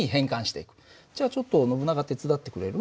じゃあちょっとノブナガ手伝ってくれる？